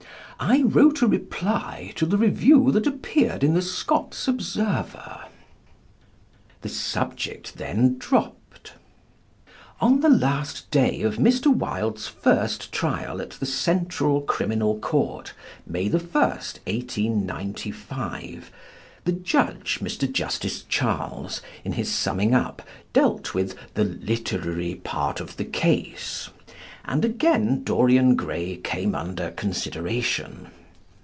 I wrote a reply to the review that appeared in the Scots Observer." The subject then dropped. On the last day of Mr. Wilde's first trial at the Criminal Central Court, May 1st, 1895, the Judge, Mr. Justice Charles, in his summing up, dealt with "the literary part of the case," and again "Dorian Gray" came under consideration.